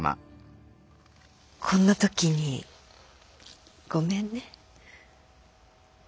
こんな時にごめんね。